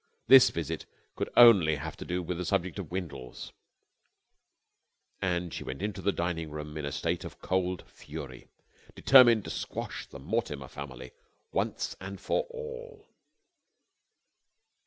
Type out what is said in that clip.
This visit could only have to do with the subject of Windles, and she went into the dining room in a state of cold fury, determined to squash the Mortimer family once and for all.